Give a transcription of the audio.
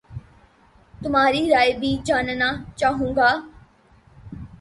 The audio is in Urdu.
تمہاری رائے بھی جاننا چاہوں گا